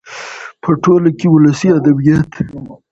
.په ټوله کې ولسي ادبيات